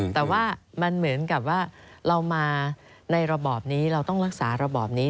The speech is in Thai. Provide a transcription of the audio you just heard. แต่ว่ามันเหมือนกับว่าเรามาในระบอบนี้เราต้องรักษาระบอบนี้